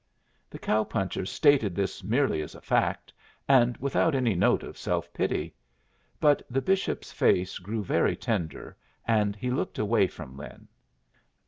The cow puncher stated this merely as a fact, and without any note of self pity. But the bishops face grew very tender, and he looked away from Lin.